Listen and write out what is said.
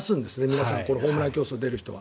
皆さん、ホームラン競争に出る人は。